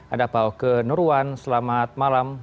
ada pak oke nurwan selamat malam